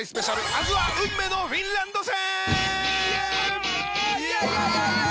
あすは運命のフィンランド戦」。